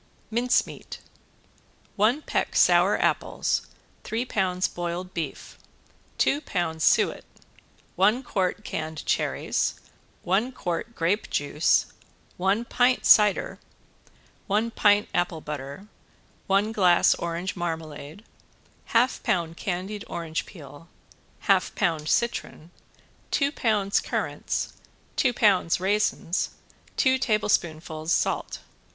~MINCE MEAT~ One peck sour apples, three pounds boiled beef, two pounds suet, one quart canned cherries, one quart grape juice, one pint cider, one pint apple butter, one glass orange marmalade, half pound candied orange peel, half pound citron, two pounds currants, two pounds raisins, two tablespoonfuls salt.